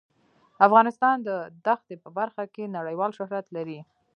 افغانستان د دښتې په برخه کې نړیوال شهرت لري.